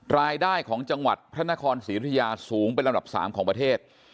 รายได้ของจังหวัดพระนครศรียุธยาสูงเป็นลำดับ๓ของประเทศ